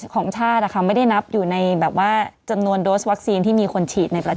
ของชาตินะคะไม่ได้นับอยู่ในแบบว่าจำนวนโดสวัคซีนที่มีคนฉีดในประเทศ